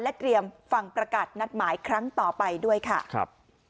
เตรียมฟังประกาศนัดหมายครั้งต่อไปด้วยค่ะครับ